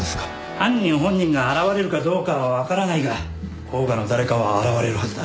犯人本人が現れるかどうかは分からないが甲賀の誰かは現れるはずだ。